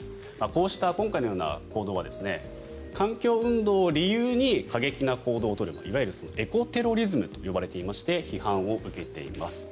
こうした今回のような行動は環境運動を理由に過激な行動を取るいわゆるエコテロリズムと呼ばれていまして批判を受けています。